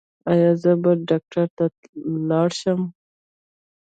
ایا زه بل ډاکټر ته لاړ شم؟